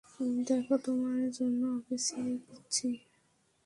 দেখো, তোমার জন্য ওকে ছেড়ে দিচ্ছি।